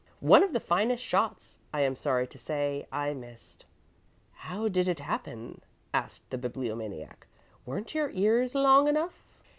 One of the finest shots, I am sorry to say, I missed." "How did it happen?" asked the Bibliomaniac. "Weren't your ears long enough?"